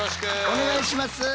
お願いします。